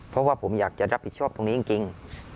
เพราะว่าผมอยากจะรับผิดชอบตรงนี้จริง